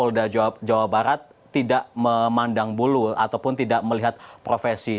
baik baik saja namun kak polda jawa barat tidak memandang bulu ataupun tidak melihat profesi